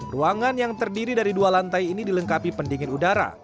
ruangan yang terdiri dari dua lantai ini dilengkapi pendingin udara